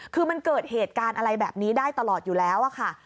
คือมันเกิดเหตุการณ์อะไรแบบนี้ได้ตลอดอยู่แล้วค่ะ